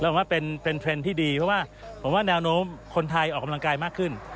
ผมว่าเป็นเทรนด์ที่ดีเพราะว่าผมว่าแนวโน้มคนไทยออกกำลังกายมากขึ้น